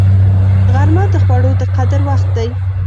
غرمه د خوړو د قدر وخت دی